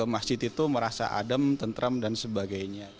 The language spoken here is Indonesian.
masjid itu merasa adem tentram dan sebagainya